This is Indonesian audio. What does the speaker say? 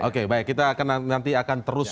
oke baik kita akan nanti akan terus